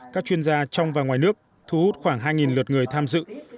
các chuyên gia trong và ngoài nước thu hút khoảng hai lượt người tham dự